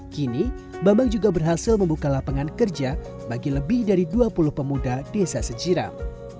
kini bambang juga berhasil membuka lapangan kerja bagi lebih dari dua puluh pemuda desa sejiram